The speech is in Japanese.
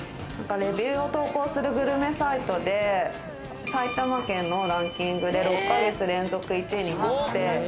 レビューを投稿するグルメサイトで埼玉県のランキングで６ヶ月連続１位になって。